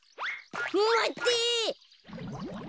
まって。